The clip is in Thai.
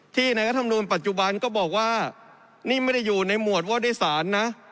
ในรัฐธรรมนูลปัจจุบันก็บอกว่านี่ไม่ได้อยู่ในหมวดว่าโดยสารนะ